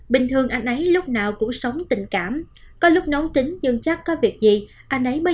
bình thường anh ấy lúc nào cũng sống tình cảm có lúc nấu tính nhưng chắc có việc gì anh ấy mới